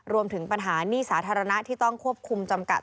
รวมถึงปัญหาหนี้สาธารณะที่ต้องควบคุมจำกัด